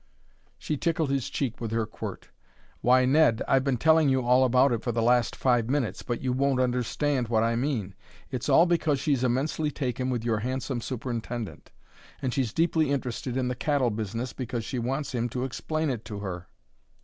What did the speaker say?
She tickled his cheek with her quirt. "Why, Ned, I've been telling you all about it for the last five minutes, but you won't understand what I mean. It's all because she's immensely taken with your handsome superintendent, and she's deeply interested in the cattle business because she wants him to explain it to her!"